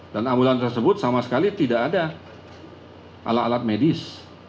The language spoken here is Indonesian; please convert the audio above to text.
dan ambulan tersebut sama sekali tidak ada alat alat medis